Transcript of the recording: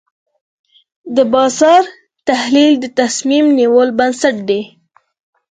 د بازار تحلیل د تصمیم نیولو بنسټ دی.